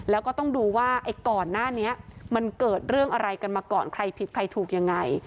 แล้วก็ต้องดูว่าไอ้ก่อนหน้านี้มันเกิดเรื่องอะไรกันมาก่อนใครผิดใครถูกยังไง